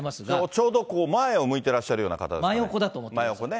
ちょうど前を向いてらっしゃるような形ですかね。